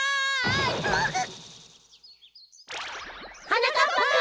はなかっぱくん！